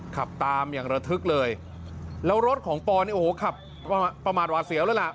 ขับตามอย่างระทึกเลยแล้วรถของปอนเนี่ยโอ้โหขับประมาทหวาเสียวเลยล่ะ